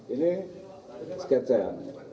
ini sketch saya